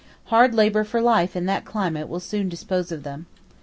Hard labour for life in that climate will soon dispose of them.